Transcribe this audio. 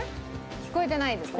聞こえてないですね。